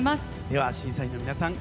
では審査員の皆さん